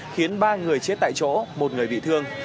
khiến ba người chết tại chỗ một người bị thương